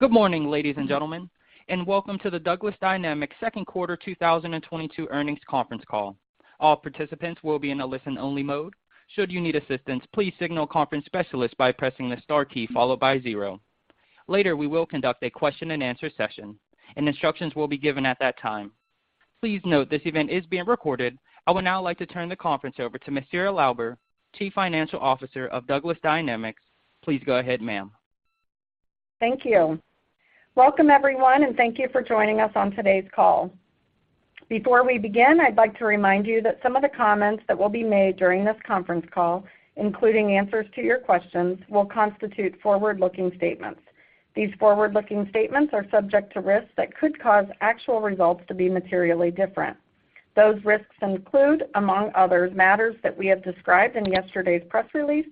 Good morning, ladies and gentlemen, and welcome to the Douglas Dynamics Second Quarter 2022 earnings conference call. All participants will be in a listen-only mode. Should you need assistance, please signal conference specialist by pressing the star key followed by zero. Later, we will conduct a question-and-answer session and instructions will be given at that time. Please note this event is being recorded. I would now like to turn the conference over to Ms. Sarah Lauber, Chief Financial Officer of Douglas Dynamics. Please go ahead, ma'am. Thank you. Welcome everyone, and thank you for joining us on today's call. Before we begin, I'd like to remind you that some of the comments that will be made during this conference call, including answers to your questions, will constitute forward-looking statements. These forward-looking statements are subject to risks that could cause actual results to be materially different. Those risks include, among others, matters that we have described in yesterday's press release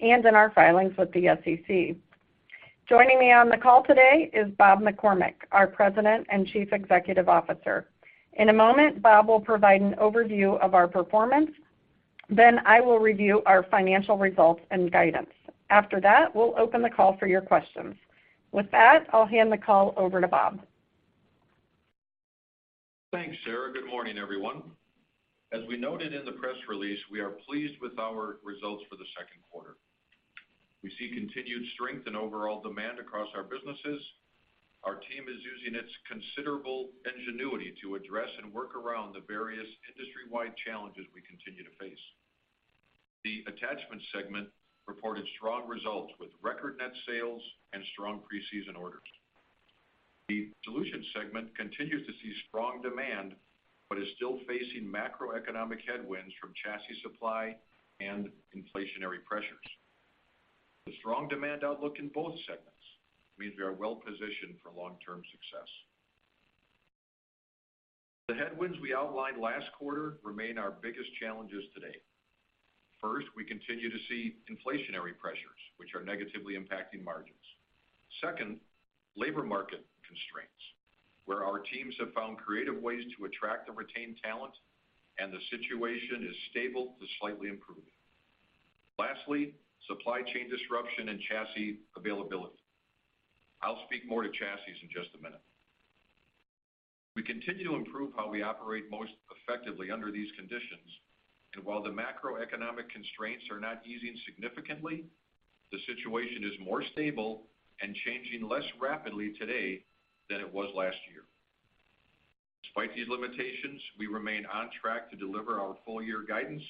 and in our filings with the SEC. Joining me on the call today is Robert McCormick, our President and Chief Executive Officer. In a moment, Bob will provide an overview of our performance. Then I will review our financial results and guidance. After that, we'll open the call for your questions. With that, I'll hand the call over to Bob. Thanks, Sarah. Good morning, everyone. As we noted in the press release, we are pleased with our results for the second quarter. We see continued strength and overall demand across our businesses. Our team is using its considerable ingenuity to address and work around the various industry-wide challenges we continue to face. The attachment segment reported strong results with record net sales and strong preseason orders. The solutions segment continues to see strong demand but is still facing macroeconomic headwinds from chassis supply and inflationary pressures. The strong demand outlook in both segments means we are well positioned for long-term success. The headwinds we outlined last quarter remain our biggest challenges today. First, we continue to see inflationary pressures, which are negatively impacting margins. Second, labor market constraints, where our teams have found creative ways to attract and retain talent and the situation is stable to slightly improve. Lastly, supply chain disruption and chassis availability. I'll speak more to chassis in just a minute. We continue to improve how we operate most effectively under these conditions. While the macroeconomic constraints are not easing significantly, the situation is more stable and changing less rapidly today than it was last year. Despite these limitations, we remain on track to deliver our full year guidance,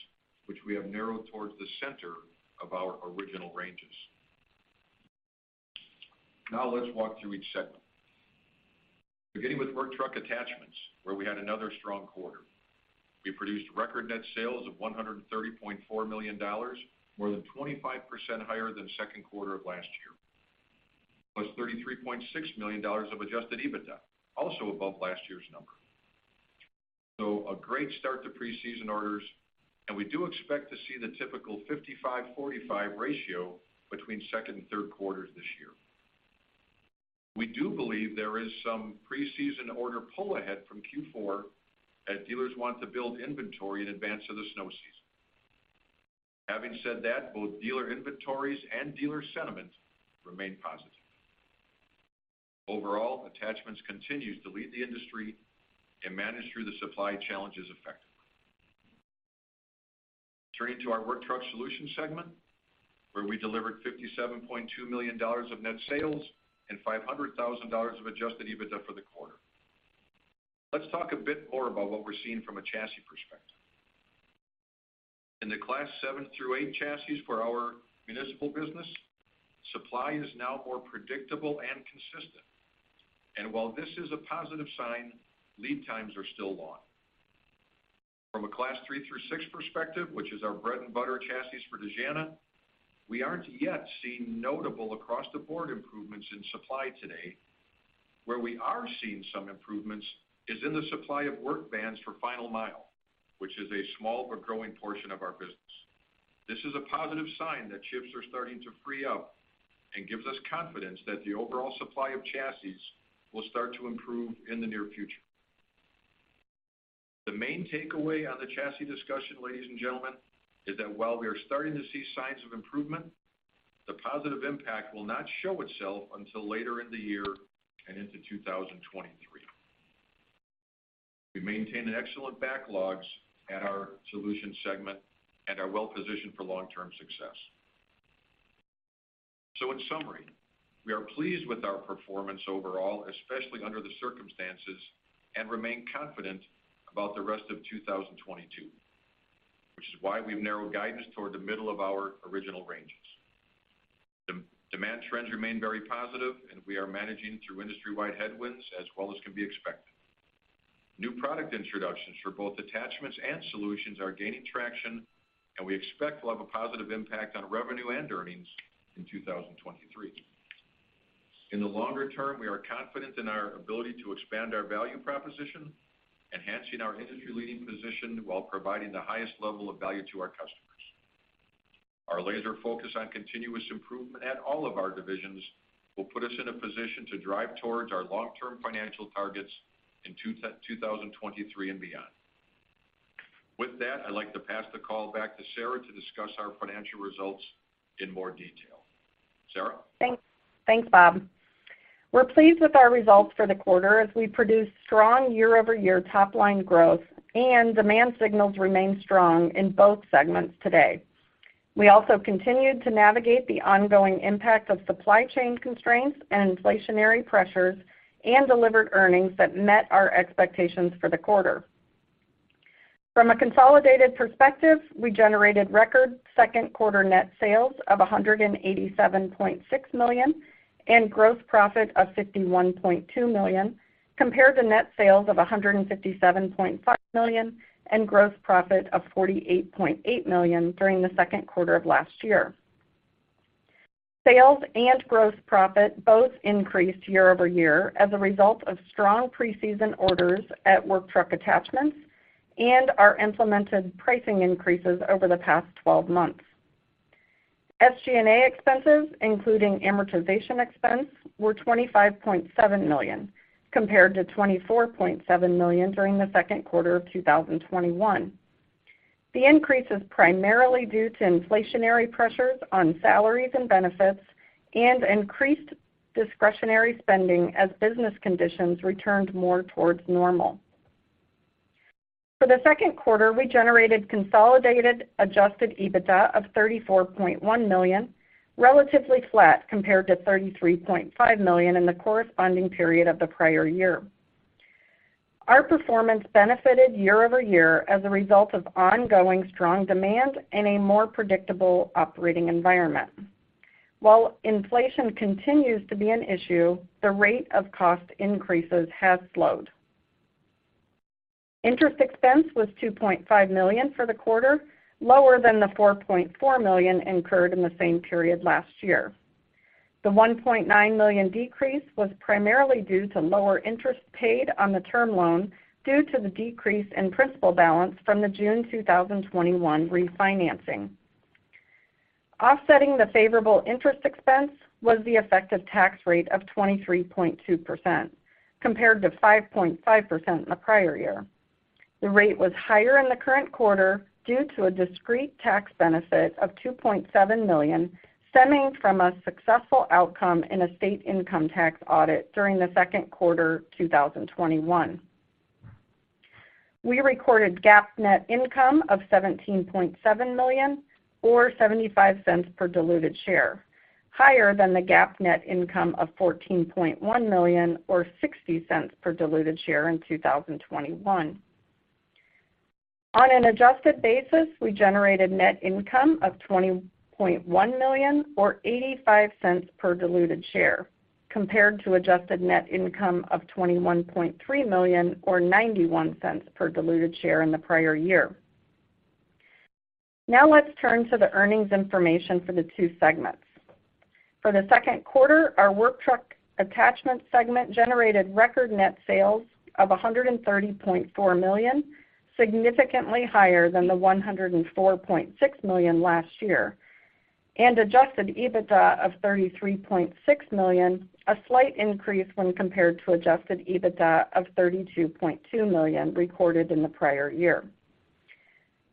which we have narrowed towards the center of our original ranges. Now let's walk through each segment. Beginning with Work Truck Attachments, where we had another strong quarter. We produced record net sales of $130.4 million, more than 25% higher than second quarter of last year. +$33.6 million of Adjusted EBITDA, also above last year's number. A great start to preseason orders, and we do expect to see the typical 55/45 ratio between second and third quarters this year. We do believe there is some preseason order pull ahead from Q4 as dealers want to build inventory in advance of the snow season. Having said that, both dealer inventories and dealer sentiment remain positive. Overall, Attachments continues to lead the industry and manage through the supply challenges effectively. Turning to our Work Truck Solutions segment, where we delivered $57.2 million of net sales and $500 thousand of Adjusted EBITDA for the quarter. Let's talk a bit more about what we're seeing from a chassis perspective. In the Class 7-8 chassis for our municipal business, supply is now more predictable and consistent. While this is a positive sign, lead times are still long. From a Class 3 through 6 perspective, which is our bread and butter chassis for Dejana, we aren't yet seeing notable across-the-board improvements in supply today. Where we are seeing some improvements is in the supply of work vans for final mile, which is a small but growing portion of our business. This is a positive sign that chassis are starting to free up and gives us confidence that the overall supply of chassis will start to improve in the near future. The main takeaway on the chassis discussion, ladies and gentlemen, is that while we are starting to see signs of improvement, the positive impact will not show itself until later in the year and into 2023. We maintain excellent backlogs at our solutions segment and are well positioned for long-term success. In summary, we are pleased with our performance overall, especially under the circumstances, and remain confident about the rest of 2022, which is why we've narrowed guidance toward the middle of our original ranges. The demand trends remain very positive, and we are managing through industry-wide headwinds as well as can be expected. New product introductions for both attachments and solutions are gaining traction, and we expect will have a positive impact on revenue and earnings in 2023. In the longer term, we are confident in our ability to expand our value proposition, enhancing our industry leading position while providing the highest level of value to our customers. Our laser focus on continuous improvement at all of our divisions will put us in a position to drive towards our long-term financial targets in 2023 and beyond. With that, I'd like to pass the call back to Sarah to discuss our financial results in more detail. Sarah? Thanks, Bob. We're pleased with our results for the quarter as we produced strong year-over-year top-line growth and demand signals remain strong in both segments today. We also continued to navigate the ongoing impact of supply chain constraints and inflationary pressures and delivered earnings that met our expectations for the quarter. From a consolidated perspective, we generated record second quarter net sales of $187.6 million and gross profit of $51.2 million, compared to net sales of $157.5 million and gross profit of $48.8 million during the second quarter of last year. Sales and gross profit both increased year-over-year as a result of strong pre-season orders at Work Truck Attachments and our implemented pricing increases over the past 12 months. SG&A expenses, including amortization expense, were $25.7 million, compared to $24.7 million during the second quarter of 2021. The increase is primarily due to inflationary pressures on salaries and benefits and increased discretionary spending as business conditions returned more towards normal. For the second quarter, we generated consolidated Adjusted EBITDA of $34.1 million, relatively flat compared to $33.5 million in the corresponding period of the prior year. Our performance benefited year-over-year as a result of ongoing strong demand in a more predictable operating environment. While inflation continues to be an issue, the rate of cost increases has slowed. Interest expense was $2.5 million for the quarter, lower than the $4.4 million incurred in the same period last year. The $1.9 million decrease was primarily due to lower interest paid on the term loan due to the decrease in principal balance from the June 2021 refinancing. Offsetting the favorable interest expense was the effective tax rate of 23.2%, compared to 5.5% in the prior year. The rate was higher in the current quarter due to a discrete tax benefit of $2.7 million stemming from a successful outcome in a state income tax audit during the second quarter 2021. We recorded GAAP net income of $17.7 million or $0.75 per diluted share, higher than the GAAP net income of $14.1 million or $0.60 per diluted share in 2021. On an adjusted basis, we generated net income of $20.1 million or $0.85 per diluted share, compared to adjusted net income of $21.3 million or $0.91 per diluted share in the prior year. Now let's turn to the earnings information for the two segments. For the second quarter, our Work Truck Attachments segment generated record net sales of $130.4 million, significantly higher than the $104.6 million last year, and Adjusted EBITDA of $33.6 million, a slight increase when compared to Adjusted EBITDA of $32.2 million recorded in the prior year.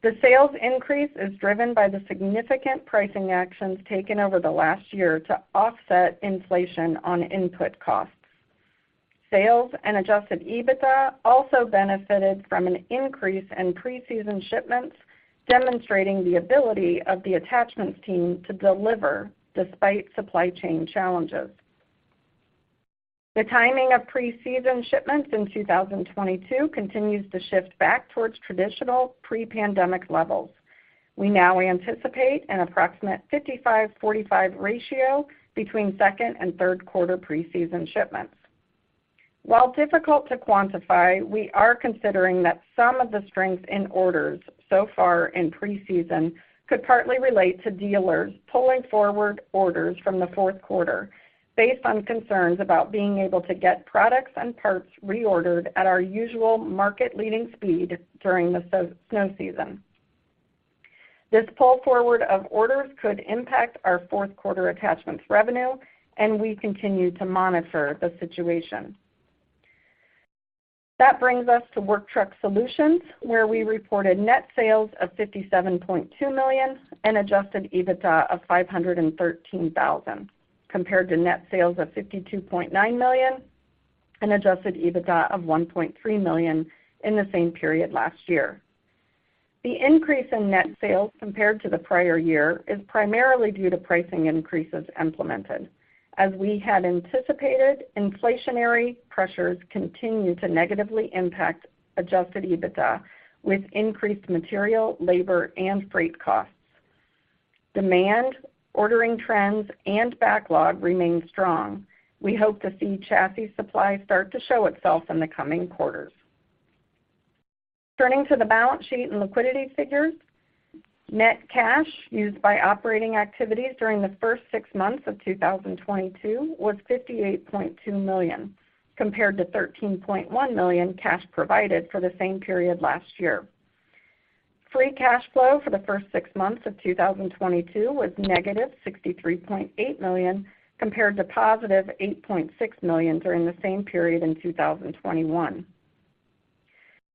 The sales increase is driven by the significant pricing actions taken over the last year to offset inflation on input costs. Sales and Adjusted EBITDA also benefited from an increase in pre-season shipments, demonstrating the ability of the attachments team to deliver despite supply chain challenges. The timing of pre-season shipments in 2022 continues to shift back towards traditional pre-pandemic levels. We now anticipate an approximate 55/45 ratio between second and third quarter pre-season shipments. While difficult to quantify, we are considering that some of the strength in orders so far in pre-season could partly relate to dealers pulling forward orders from the fourth quarter based on concerns about being able to get products and parts reordered at our usual market leading speed during the snow season. This pull forward of orders could impact our fourth quarter attachments revenue, and we continue to monitor the situation. That brings us to Work Truck Solutions, where we reported net sales of $57.2 million and Adjusted EBITDA of $513 thousand, compared to net sales of $52.9 million and Adjusted EBITDA of $1.3 million in the same period last year. The increase in net sales compared to the prior year is primarily due to pricing increases implemented. As we had anticipated, inflationary pressures continue to negatively impact Adjusted EBITDA with increased material, labor, and freight costs. Demand, ordering trends, and backlog remain strong. We hope to see chassis supply start to show itself in the coming quarters. Turning to the balance sheet and liquidity figures. Net cash used by operating activities during the first six months of 2022 was $58.2 million, compared to $13.1 million cash provided for the same period last year. Free cash flow for the first six months of 2022 was -$63.8 million compared to $8.6 million during the same period in 2021.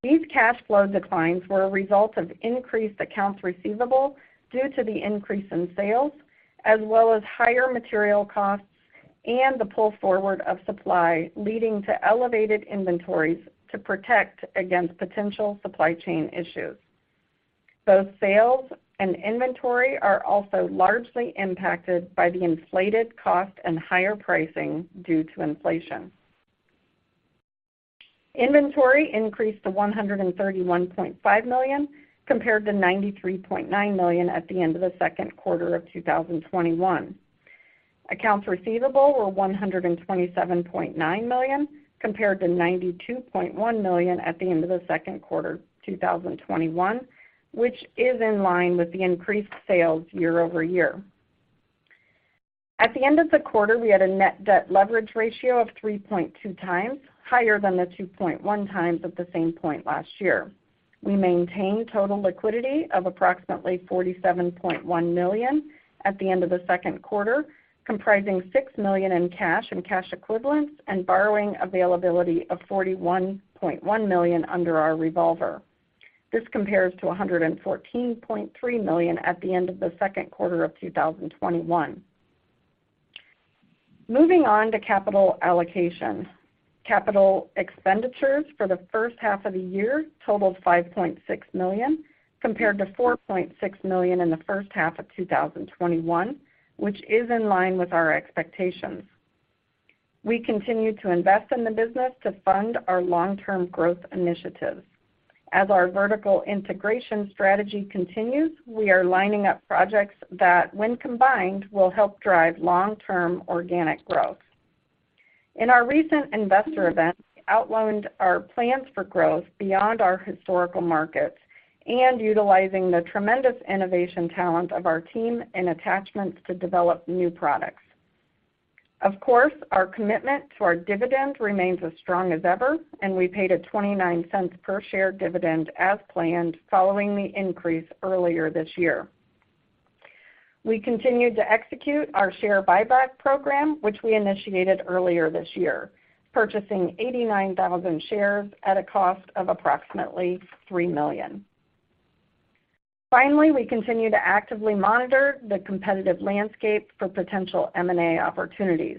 These cash flow declines were a result of increased accounts receivable due to the increase in sales, as well as higher material costs and the pull forward of supply, leading to elevated inventories to protect against potential supply chain issues. Both sales and inventory are also largely impacted by the inflated cost and higher pricing due to inflation. Inventory increased to $131.5 million compared to $93.9 million at the end of the second quarter of 2021. Accounts receivable were $127.9 million compared to $92.1 million at the end of the second quarter 2021, which is in line with the increased sales year-over-year. At the end of the quarter, we had a net debt leverage ratio of 3.2x higher than the 2.1x at the same point last year. We maintained total liquidity of approximately $47.1 million at the end of the second quarter, comprising $6 million in cash and cash equivalents and borrowing availability of $41.1 million under our revolver. This compares to $114.3 million at the end of the second quarter of 2021. Moving on to capital allocation. Capital expenditures for the first half of the year totaled $5.6 million compared to $4.6 million in the first half of 2021, which is in line with our expectations. We continue to invest in the business to fund our long-term growth initiatives. As our vertical integration strategy continues, we are lining up projects that, when combined, will help drive long-term organic growth. In our recent investor event, we outlined our plans for growth beyond our historical markets and utilizing the tremendous innovation talent of our team and attachments to develop new products. Of course, our commitment to our dividend remains as strong as ever, and we paid a $0.29 per share dividend as planned following the increase earlier this year. We continued to execute our share buyback program, which we initiated earlier this year, purchasing 89,000 shares at a cost of approximately $3 million. Finally, we continue to actively monitor the competitive landscape for potential M&A opportunities.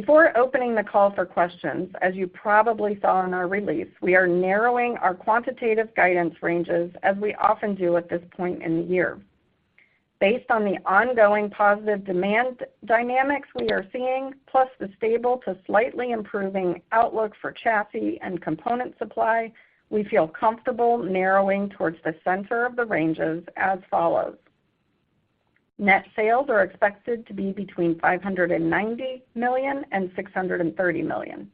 Before opening the call for questions, as you probably saw in our release, we are narrowing our quantitative guidance ranges as we often do at this point in the year. Based on the ongoing positive demand dynamics we are seeing, plus the stable to slightly improving outlook for chassis and component supply, we feel comfortable narrowing towards the center of the ranges as follows: Net sales are expected to be between $590 million and $630 million.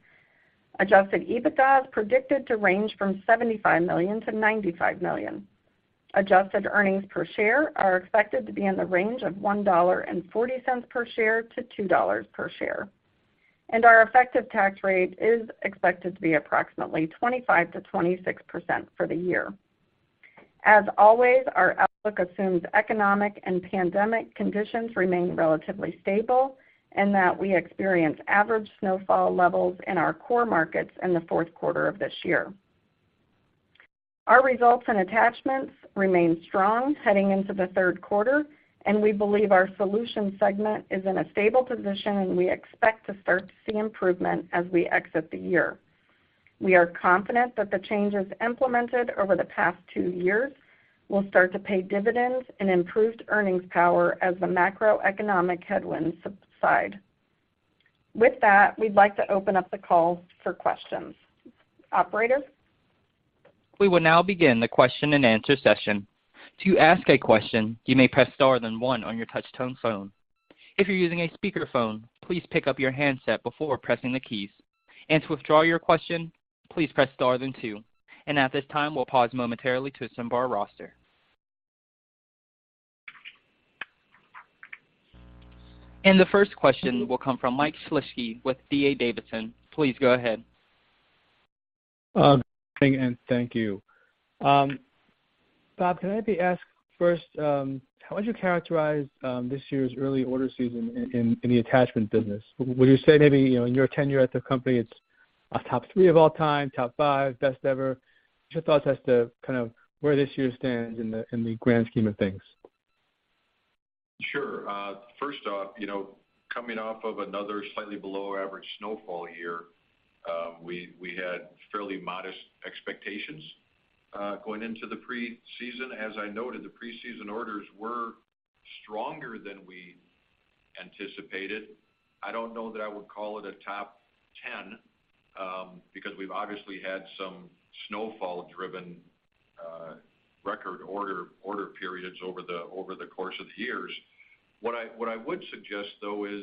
Adjusted EBITDA is predicted to range from $75 million-$95 million. Adjusted earnings per share are expected to be in the range of $1.40 per share-$2.00 per share. Our effective tax rate is expected to be approximately 25%-26% for the year. As always, our outlook assumes economic and pandemic conditions remain relatively stable and that we experience average snowfall levels in our core markets in the fourth quarter of this year. Our results and attachments remain strong heading into the third quarter, and we believe our solutions segment is in a stable position, and we expect to start to see improvement as we exit the year. We are confident that the changes implemented over the past two years will start to pay dividends and improved earnings power as the macroeconomic headwinds subside. With that, we'd like to open up the call for questions. Operator? We will now begin the question-and-answer session. To ask a question, you may press star then One on your touch-tone phone. If you're using a speakerphone, please pick up your handset before pressing the keys. To withdraw your question, please press star then Two. At this time, we'll pause momentarily to assemble our roster. The first question will come from Mike Shlisky with D.A. Davidson. Please go ahead. Thank you. Bob, can I maybe ask first, how would you characterize this year's early order season in the attachment business? Would you say maybe, you know, in your tenure at the company it's a top three of all time, top five, best ever? What's your thoughts as to kind of where this year stands in the grand scheme of things? Sure. First off, you know, coming off of another slightly below average snowfall year, we had fairly modest expectations going into the preseason. As I noted, the preseason orders were stronger than we anticipated. I don't know that I would call it a top ten because we've obviously had some snowfall-driven record order periods over the course of years. What I would suggest, though, is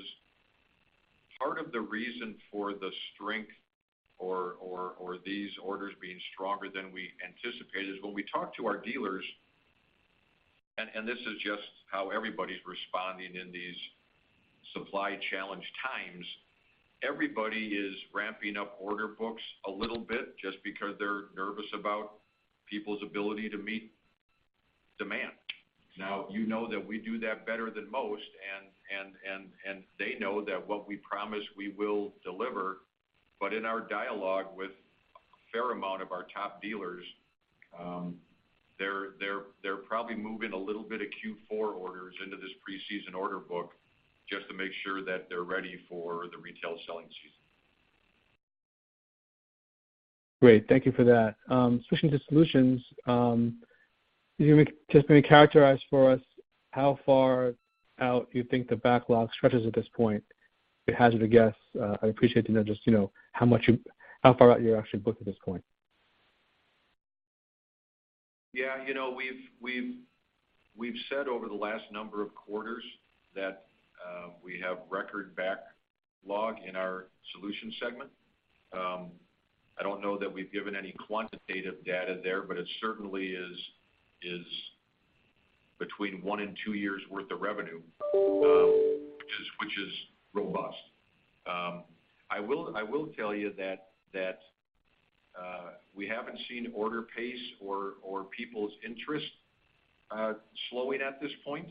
part of the reason for the strength or these orders being stronger than we anticipated is when we talked to our dealers. This is just how everybody's responding in these supply challenged times. Everybody is ramping up order books a little bit just because they're nervous about people's ability to meet demand. Now you know that we do that better than most, and they know that what we promise we will deliver. In our dialogue with a fair amount of our top dealers, they're probably moving a little bit of Q4 orders into this preseason order book just to make sure that they're ready for the retail selling season. Great. Thank you for that. Switching to solutions, can you just maybe characterize for us how far out you think the backlog stretches at this point? If you hazard a guess, I'd appreciate to know just, you know, how far out you're actually booked at this point. Yeah. You know, we've said over the last number of quarters that we have record backlog in our solutions segment. I don't know that we've given any quantitative data there, but it certainly is between one and two years worth of revenue, which is robust. I will tell you that we haven't seen order pace or people's interest slowing at this point.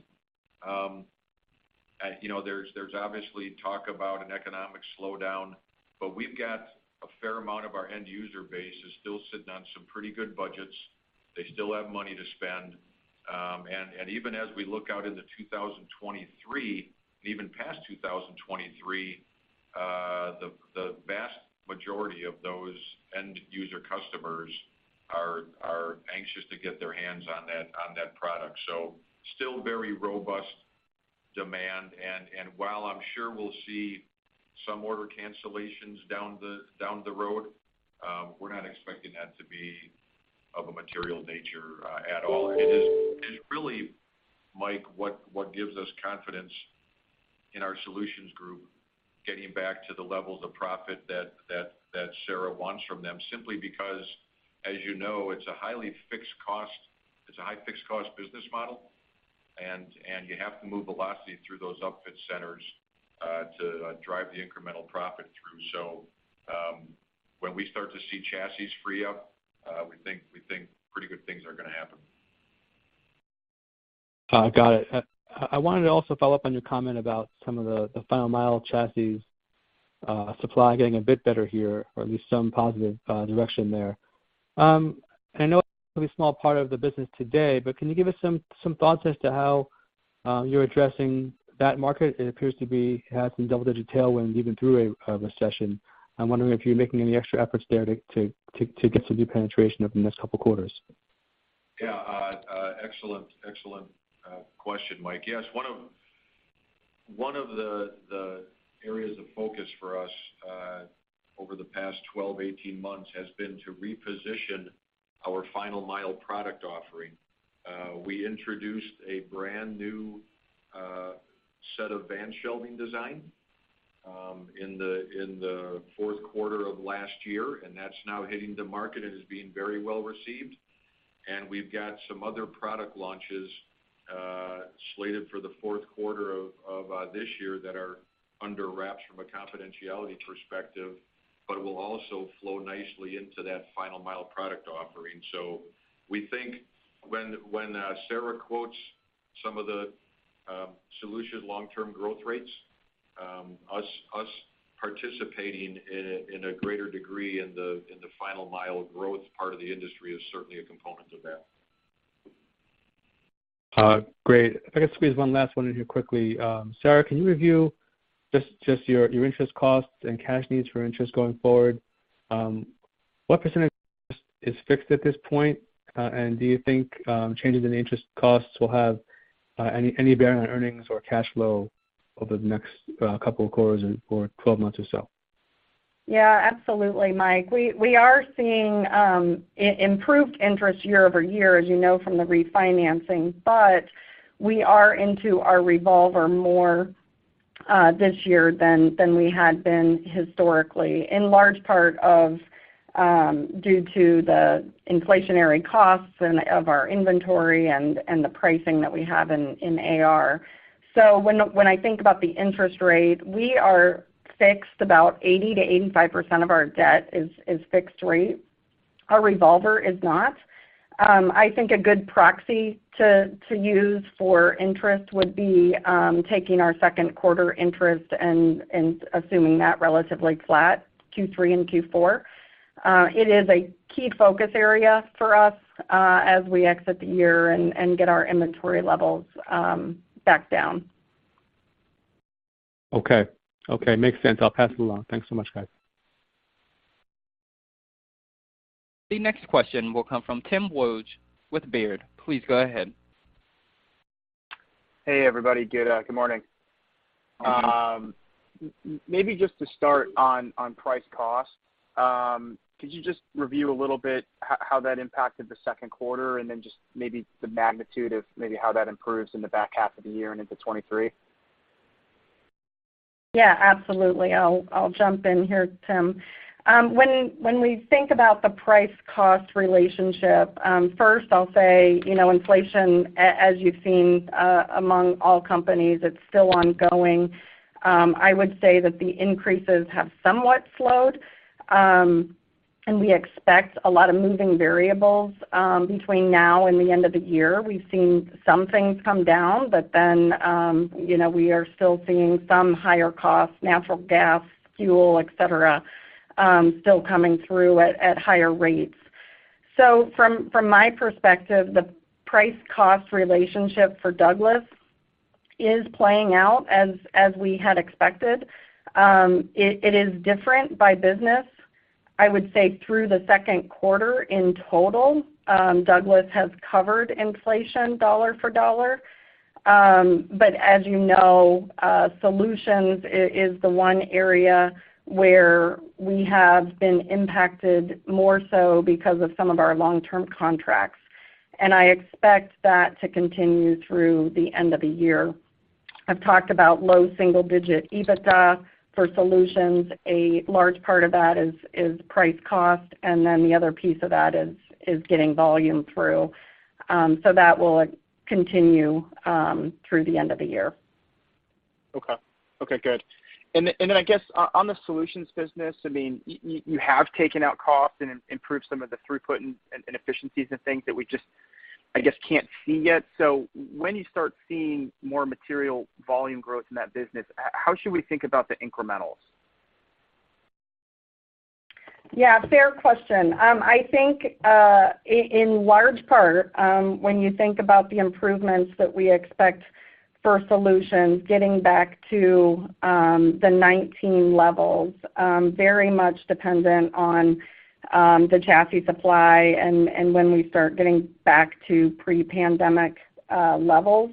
You know, there's obviously talk about an economic slowdown, but we've got a fair amount of our end user base is still sitting on some pretty good budgets. They still have money to spend. Even as we look out into 2023, even past 2023, the vast majority of those end user customers are anxious to get their hands on that product. Still very robust demand. While I'm sure we'll see some order cancellations down the road, we're not expecting that to be of a material nature at all. It is really, Mike, what gives us confidence in our Work Truck Solutions getting back to the levels of profit that Sarah wants from them, simply because, as you know, it's a high fixed cost. It's a high fixed cost business model. You have to move velocity through those upfit centers to drive the incremental profit through. When we start to see chassis free up, we think pretty good things are gonna happen. Got it. I wanted to also follow up on your comment about some of the final mile chassis supply getting a bit better here or at least some positive direction there. I know it's a small part of the business today, but can you give us some thoughts as to how you're addressing that market? It appears to be had some double-digit tailwind even through a recession. I'm wondering if you're making any extra efforts there to get some deep penetration over the next couple quarters. Yeah. Excellent question, Mike. Yes. One of the areas of focus for us over the past 12-18 months has been to reposition our final mile product offering. We introduced a brand new set of van shelving design in the fourth quarter of last year, and that's now hitting the market and is being very well received. We've got some other product launches slated for the fourth quarter of this year that are under wraps from a confidentiality perspective, but will also flow nicely into that final mile product offering. We think when Sarah quotes some of the solution long-term growth rates, us participating in a greater degree in the final mile growth part of the industry is certainly a component of that. Great. If I could squeeze one last one in here quickly. Sarah, can you review just your interest costs and cash needs for interest going forward? What percentage is fixed at this point? Do you think changes in interest costs will have any bearing on earnings or cash flow over the next couple of quarters or 12 months or so? Yeah, absolutely, Mike. We are seeing improved interest year-over-year, as you know from the refinancing, but we are into our revolver more this year than we had been historically, in large part due to the inflationary costs in our inventory and the pricing that we have in AR. When I think about the interest rate, about 80%-85% of our debt is fixed rate. Our revolver is not. I think a good proxy to use for interest would be taking our second quarter interest and assuming that relatively flat Q3 and Q4. It is a key focus area for us as we exit the year and get our inventory levels back down. Okay. Makes sense. I'll pass it along. Thanks so much, guys. The next question will come from Timothy Wojs with Baird. Please go ahead. Hey, everybody. Good morning. Good morning. Maybe just to start on price cost. Could you just review a little bit how that impacted the second quarter and then just maybe the magnitude of maybe how that improves in the back half of the year and into 2023? Yeah, absolutely. I'll jump in here, Tim. When we think about the price cost relationship, first I'll say, you know, inflation as you've seen, among all companies, it's still ongoing. I would say that the increases have somewhat slowed. We expect a lot of moving variables, between now and the end of the year. We've seen some things come down, but then, you know, we are still seeing some higher costs, natural gas, fuel, et cetera, still coming through at higher rates. From my perspective, the price cost relationship for Douglas is playing out as we had expected. It is different by business. I would say through the second quarter in total, Douglas has covered inflation dollar for dollar. As you know, solutions is the one area where we have been impacted more so because of some of our long-term contracts, and I expect that to continue through the end of the year. I've talked about low single digit EBITDA for solutions. A large part of that is price cost, and then the other piece of that is getting volume through. That will continue through the end of the year. Okay, good. Then I guess on the solutions business, I mean, you have taken out costs and improved some of the throughput and efficiencies and things that we just, I guess, can't see yet. When you start seeing more material volume growth in that business, how should we think about the incrementals? Yeah, fair question. I think in large part, when you think about the improvements that we expect for solutions, getting back to the 19% levels, very much dependent on the chassis supply and when we start getting back to pre-pandemic levels.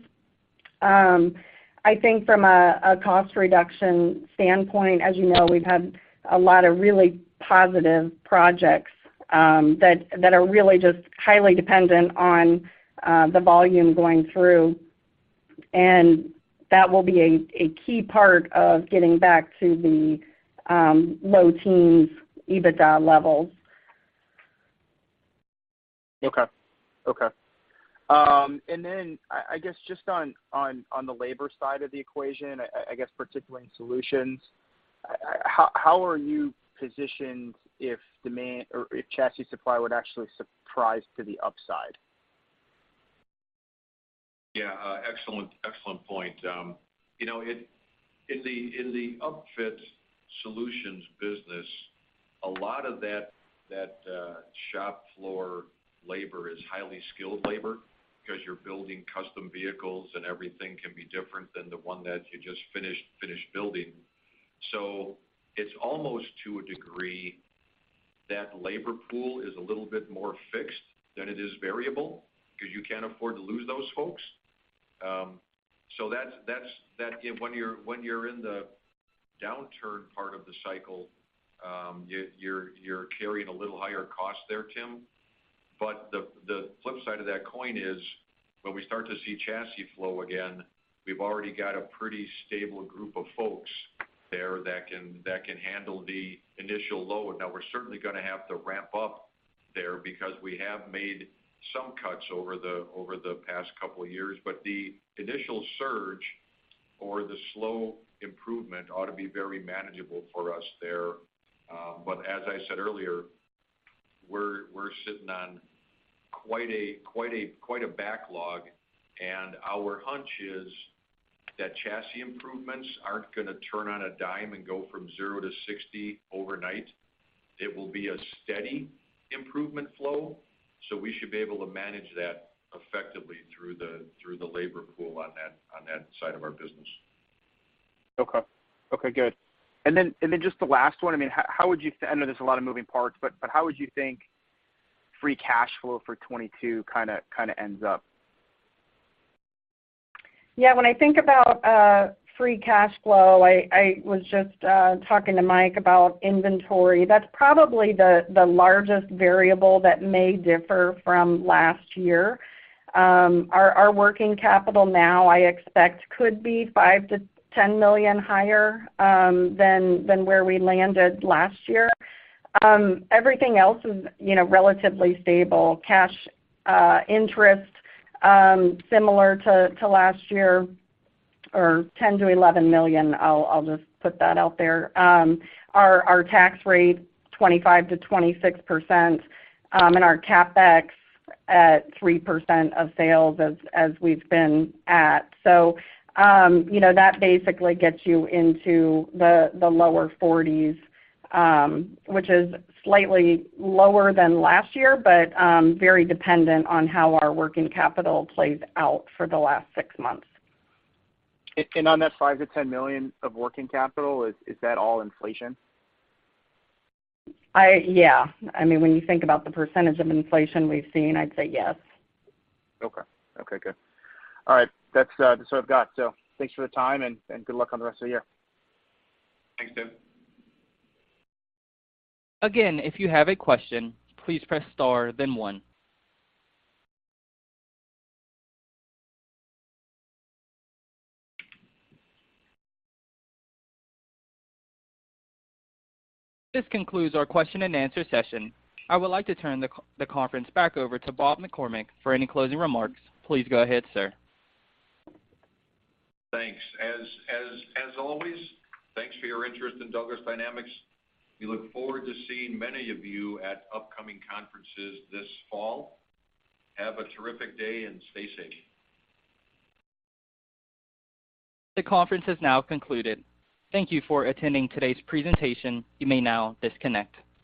I think from a cost reduction standpoint, as you know, we've had a lot of really positive projects that are really just highly dependent on the volume going through, and that will be a key part of getting back to the low-teens EBITDA levels. Okay. I guess just on the labor side of the equation, I guess particularly in solutions, how are you positioned if demand or if chassis supply would actually surprise to the upside? Yeah. Excellent point. You know, in the upfit solutions business, a lot of that shop floor labor is highly skilled labor because you're building custom vehicles, and everything can be different than the one that you just finished building. It's almost to a degree that labor pool is a little bit more fixed than it is variable because you can't afford to lose those folks. That's when you're in the downturn part of the cycle, you're carrying a little higher cost there, Tim. The flip side of that coin is when we start to see chassis flow again, we've already got a pretty stable group of folks there that can handle the initial load. Now, we're certainly gonna have to ramp up there because we have made some cuts over the past couple of years. The initial surge or the slow improvement ought to be very manageable for us there. As I said earlier, we're sitting on quite a backlog, and our hunch is that chassis improvements aren't gonna turn on a dime and go from zero to 60 overnight. It will be a steady improvement flow, so we should be able to manage that effectively through the labor pool on that side of our business. Okay, good. Just the last one. I mean, I know there's a lot of moving parts, but how would you think free cash flow for 2022 kinda ends up? Yeah, when I think about free cash flow, I was just talking to Mike about inventory. That's probably the largest variable that may differ from last year. Our working capital now I expect could be $5 million-$10 million higher than where we landed last year. Everything else is, you know, relatively stable. Cash, interest, similar to last year, or $10 million-$11 million. I'll just put that out there. Our tax rate, 25%-26%, and our CapEx at 3% of sales as we've been at. You know, that basically gets you into the lower 40s, which is slightly lower than last year, but very dependent on how our working capital plays out for the last six months. On that $5 million-$10 million of working capital, is that all inflation? Yeah. I mean, when you think about the percentage of inflation we've seen, I'd say yes. Okay. Okay, good. All right. That's what I've got. Thanks for the time, and good luck on the rest of the year. Thanks, Tim. Again, if you have a question, please press star then one. This concludes our question and answer session. I would like to turn the conference back over to Robert McCormick for any closing remarks. Please go ahead, sir. Thanks. As always, thanks for your interest in Douglas Dynamics. We look forward to seeing many of you at upcoming conferences this fall. Have a terrific day and stay safe. The conference has now concluded. Thank you for attending today's presentation. You may now disconnect.